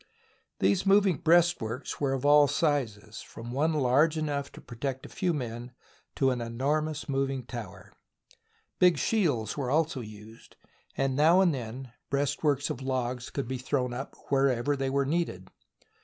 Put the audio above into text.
These moving breastworks were of all sizes, from one large enough to protect a few men to an enor mous moving tower. Big shields were also used, and now and then breastworks of logs could be thrown up wherever they were needed.